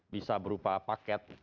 bisa berupa paket